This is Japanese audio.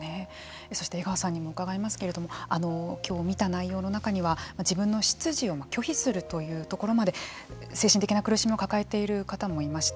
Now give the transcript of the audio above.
そして江川さんにも伺いますけれども今日、見た内容の中には自分の出自を拒否するというところまで精神的な苦しみを抱えている方もいました。